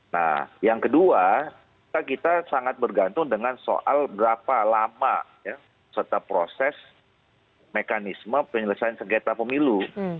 nah yang kedua kita sangat bergantung dengan soal berapa lama serta proses mekanisme penyelesaian sengketa pemilu